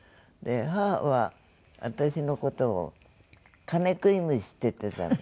母は私の事を「金食い虫」って言ってたの。